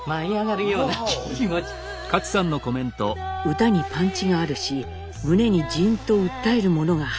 「歌にパンチがあるし胸にジーンと訴えるものがある。